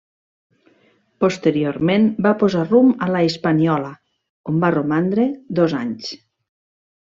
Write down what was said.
Posteriorment va posar rumb a la Hispaniola, on va romandre dos anys.